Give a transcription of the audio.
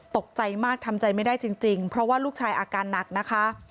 ตกใจมากทำใจไม่ได้จริงเพราะว่าลูกชายอาการหนักนะคะ